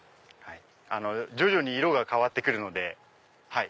徐々に色が変わってくるので。